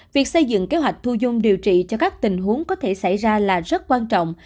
việc xây dựng kế hoạch thu dung điều trị cho các tình huống có thể xảy ra là rất quan trọng